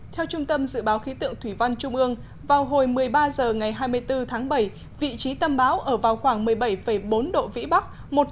theo trung tâm dự báo khí tượng thủy văn trung ương vào hồi một mươi ba h ngày hai mươi bốn tháng bảy vị trí tâm bão ở vào khoảng một mươi bảy bốn độ vĩ bắc